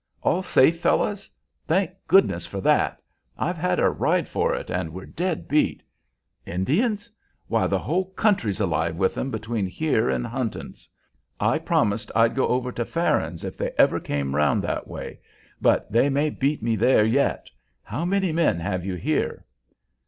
"All safe, fellows? Thank goodness for that! I've had a ride for it, and we're dead beat. Indians? Why, the whole country's alive with 'em between here and Hunton's. I promised I'd go over to Farron's if they ever came around that way, but they may beat me there yet. How many men have you here?"